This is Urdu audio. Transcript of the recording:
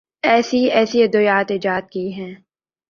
ایسی ایسی ادویات ایجاد کی ہیں۔